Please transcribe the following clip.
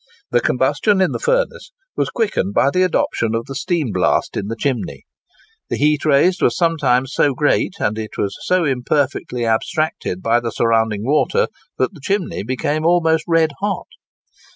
The combustion in the furnace was quickened by the adoption of the steam blast in the chimney. The heat raised was sometimes so great, and it was so imperfectly abstracted by the surrounding water, that the chimney became almost red hot.